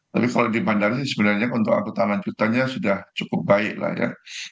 tapi kalau di bandara sih sebenarnya untuk angkutan lanjutannya sudah cukup baik lah ya